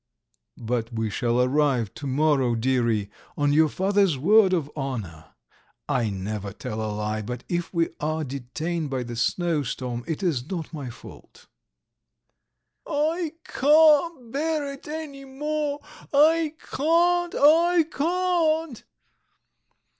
"But we shall arrive to morrow, dearie, on your father's word of honour. I never tell a lie, but if we are detained by the snowstorm it is not my fault." "I can't bear any more, I can't, I can't!"